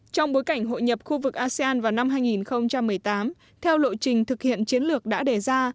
trong bối cảnh hội nhập khu vực asean vào năm hai nghìn một mươi tám theo lộ trình thực hiện chiến lược đã đề ra